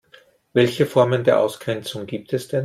Welche Formen der Ausgrenzung gibt es denn?